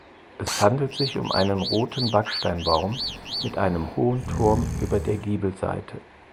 Es handelt sich um einen roten Backsteinbau mit einem hohen Turm über der Giebelseite.